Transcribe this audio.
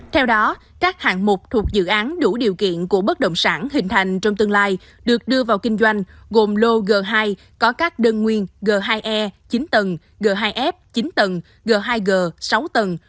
theo đó các hạng mục thuộc dự án đủ điều kiện của bất động sản hình thành trong tương lai được đưa vào kinh doanh gồm lô g hai có các đơn nguyên g hai e chín tầng g hai f chín tầng g hai g sáu tầng